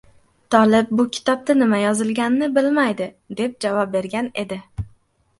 «Tolib bu kitobda nima yozilganini bilmaydi», – deb javob bergan edi.